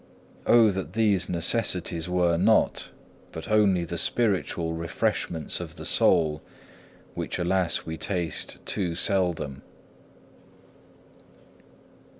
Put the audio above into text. O! that these necessities were not, but only the spiritual refreshments of the soul, which alas we taste too seldom.